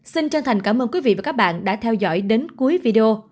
xin chân thành cảm ơn quý vị và các bạn đã theo dõi đến cuối video